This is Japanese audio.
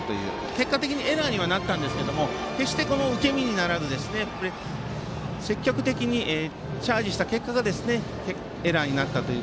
結果的にエラーにはなったんですが決して受身にならず積極的にチャージした結果がエラーになったという。